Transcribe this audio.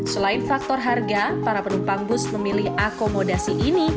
selain faktor harga para penumpang bus memilih akomodasi ini